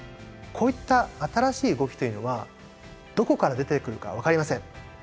こういった新しい動きというのはどこから出てくるか分かりません。